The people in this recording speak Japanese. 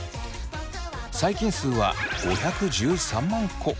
細菌数は５１３万個。